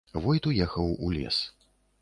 Войт уехаў у лес.